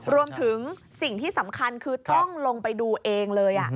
รวมถึงสิ่งที่สำคัญคือต้องลงไปดูเองเลย